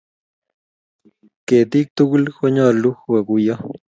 Ketiik tugul konyolu koguiyo.